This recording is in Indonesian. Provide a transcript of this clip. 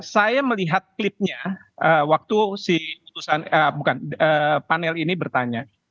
saya melihat klipnya waktu si panel ini bertanya